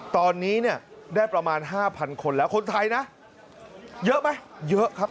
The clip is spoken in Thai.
ตอนนี้เนี่ยได้ประมาณ๕๐๐คนแล้วคนไทยนะเยอะไหมเยอะครับ